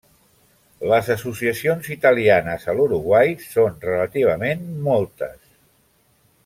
Les associacions italianes a l'Uruguai són relativament moltes.